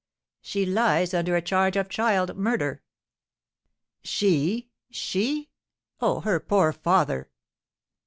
"She lies under a charge of child murder." "She! she! Oh, her poor father!"